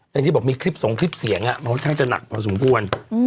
อย่างที่บอกมีคลิปส่งคลิปเสียงมันก็จะหนักพอสมบูรณ์